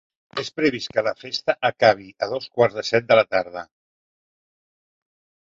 És previst que la festa acabi a dos quarts de set de la tarda.